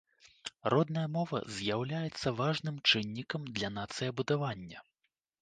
Родная мова з'яўляецца важным чыннікам для нацыябудавання.